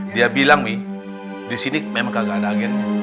dia bilang umi disini kagak ada agennya